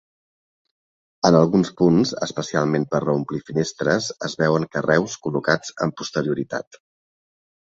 En alguns punts, especialment per reomplir finestres, es veuen carreus col·locats amb posterioritat.